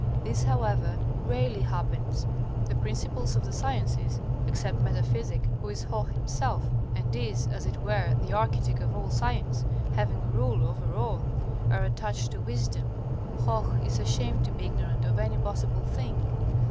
This, however, rarely happens. The principals of the sciences, except Metaphysic, who is Hoh himself, and is, as it were, the architect of all science, having rule over all, are attached to Wisdom. Hoh is ashamed to be ignorant of any possible thing.